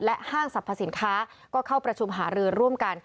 ห้างสรรพสินค้าก็เข้าประชุมหารือร่วมกัน